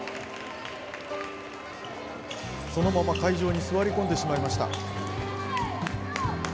そのまま会場に座り込んでしまいました。